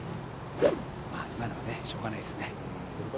今のはしょうがないですね。